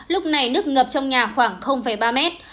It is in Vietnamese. lúc này nước ngập trong nhà khoảng ba mét